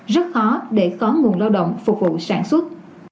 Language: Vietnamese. rất khó để có nguồn lao động phục vụ sản xuất